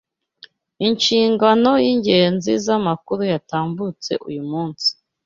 Inshingano y’Ingenzi za amakuru yatambutse uyu munsi